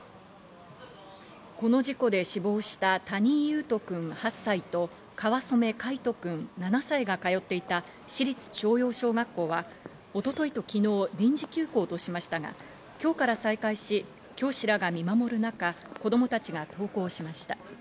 この事故で死亡した谷井勇斗くん８歳と川染凱仁くん７歳が通っていた市立朝陽小学校は、一昨日と昨日、臨時休校としましたが、今日から再開し、教師らが見守る中、子供たちが登校しました。